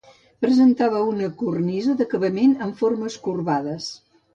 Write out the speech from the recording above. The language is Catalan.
Presentava una cornisa d'acabament amb formes corbades.